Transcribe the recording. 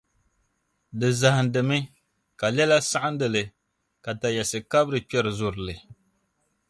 di zahindimi, ka lɛla saɣindi li, ka tayiɣisi kabiri kpɛri zuri li.